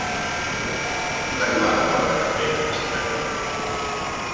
Com puc arribar a la Torre de Cabdella amb bicicleta?